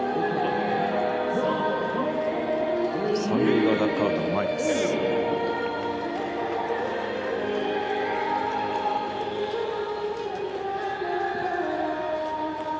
三塁側ダグアウトの前です。